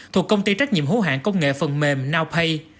thuộc công ty trách nhiệm hữu hạn công nghệ phần mềm nowpay